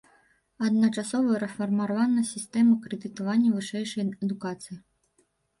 Адначасова рэфармавана сістэма крэдытавання вышэйшай адукацыі.